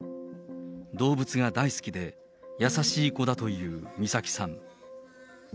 動物が大好きで、優しい子だという美咲さん。